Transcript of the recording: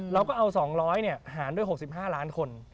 เราก็เอา๒๐๐หารด้วย๖๕ล้านคน